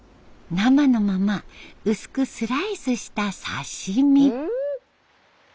生のまま薄くスライスした刺身。